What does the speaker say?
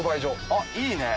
あっいいね。